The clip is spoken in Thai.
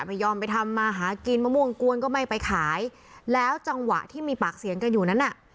ไม่ยอมไปทำมาหากินมะม่วงกวนก็ไม่ไปขายแล้วจังหวะที่มีปากเสียงกันอยู่นั้นน่ะ